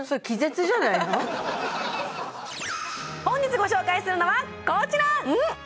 本日ご紹介するのはこちら！